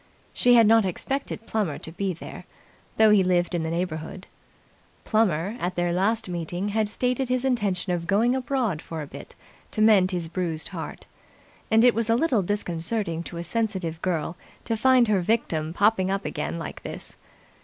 She had not expected Plummer to be there, though he lived in the neighbourhood. Plummer, at their last meeting, had stated his intention of going abroad for a bit to mend his bruised heart: and it was a little disconcerting to a sensitive girl to find her victim popping up again like this.